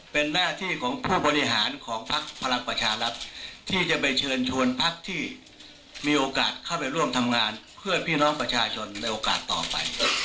เป็นหน้าที่ของผู้บริหารของพักพลังประชารัฐที่จะไปเชิญชวนพักที่มีโอกาสเข้าไปร่วมทำงานเพื่อพี่น้องประชาชนในโอกาสต่อไป